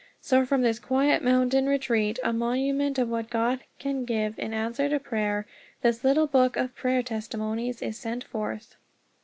So from this quiet mountain retreat, a monument of what God can give in answer to prayer, this little book of Prayer Testimonies is sent forth.